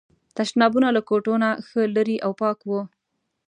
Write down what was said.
تشنابونه له کوټو نه ښه لرې او پاک وو.